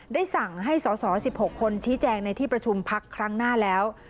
ได้สั่งให้สอสอ๑๖คนชี้แจงในที่ประชุมพักครั้งหน้าแล้ว